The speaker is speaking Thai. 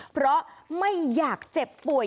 เพราะไม่อยากเจ็บป่วย